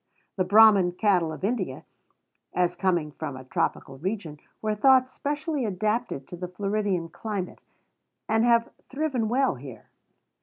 The Brahmin cattle of India, as coming from a tropical region, were thought specially adapted to the Floridian climate, and have thriven well here.